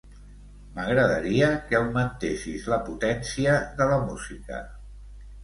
M'agradaria que augmentessis la potència de la música.